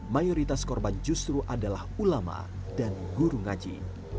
mayoritas korban justru adalah ulama dan guru ngaji